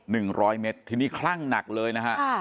ร้อยเมตรทีนี้คลั่งหนักเลยนะฮะค่ะ